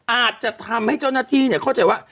อาจจะทำให้เจ้าหน้าที่เข้าใจว่า